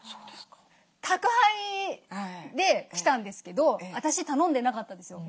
宅配で来たんですけど私頼んでなかったんですよ。